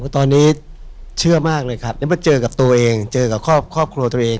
ตอนนี้เชื่อมากเลยครับได้มาเจอกับตัวเองเจอกับครอบครัวตัวเอง